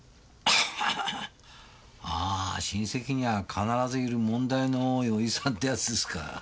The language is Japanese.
あああ親戚には必ずいる問題の多い叔父さんってやつですか。